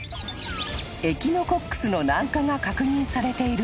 ［エキノコックスの南下が確認されている